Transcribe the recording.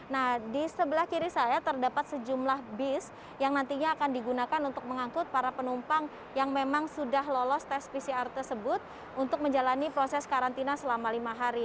nah di sebelah kiri saya terdapat sejumlah bis yang nantinya akan digunakan untuk mengangkut para penumpang yang memang sudah lolos tes pcr tersebut untuk menjalani proses karantina selama lima hari